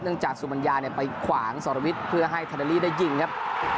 เนื่องจากสุมัญญาเนี่ยไปขวางสรวิทธ์เพื่อให้ทาเดรี่ได้ยิงครับ